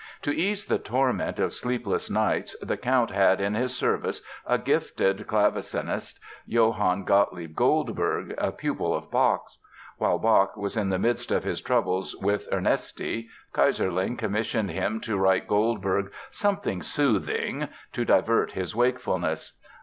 To ease the torment of sleepless nights the Count had in his service a gifted clavecinist, Johann Gottlieb Goldberg, a pupil of Bach's. While Bach was in the midst of his troubles with Ernesti, Keyserling commissioned him to write Goldberg "something soothing" to divert his wakefulness.